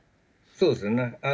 そうですよね。